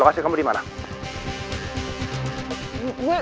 lokasi kamu dimana